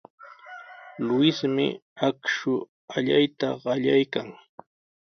Luismi akshu allayta qallaykan.